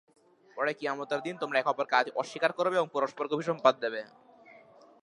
পরে কিয়ামতের দিন তোমরা একে অপরকে অস্বীকার করবে এবং পরস্পরকে অভিসম্পাত দিবে।